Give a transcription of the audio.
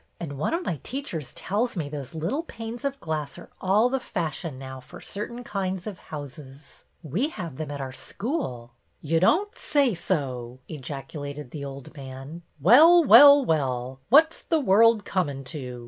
And one of my teachers tells me those little panes of glass are all the fashion now for certain kinds of houses. We have them at our school." "Ye don't say so!" ejaculated the old man. " Well, well, well ! What 's the world cornin' to